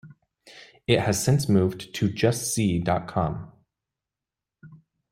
It has since moved to just si dot com.